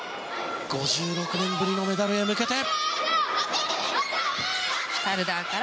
５６年ぶりのメダルへ向けて。